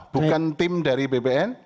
bukan tim dari bpn